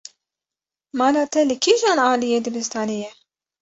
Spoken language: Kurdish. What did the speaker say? Mala te li kîjan aliyê dibistanê ye?